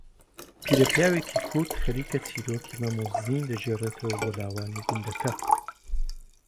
پیرەپیاوێکی کورد خەریکە چیرۆکی مەم و زین دەگێڕەتەوە بۆ لاوانی گوندەکە